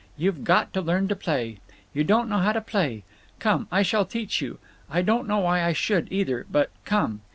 You've got to learn to play. You don't know how to play. Come. I shall teach you. I don't know why I should, either. But—come."